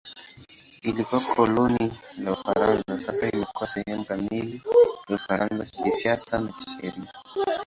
Ilikuwa koloni la Ufaransa; sasa imekuwa sehemu kamili ya Ufaransa kisiasa na kisheria.